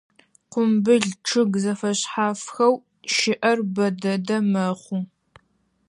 Къумбыл чъыг зэфэшъхьафхэу щыӏэр бэ дэдэ мэхъу.